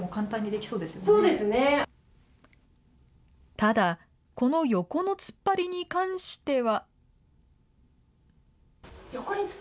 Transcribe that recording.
ただ、この横の突っ張りに関しては。